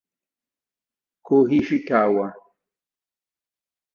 Kō Ishikawa